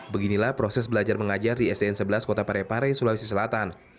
beginilah proses belajar mengajar di sdn sebelas kota parepare sulawesi selatan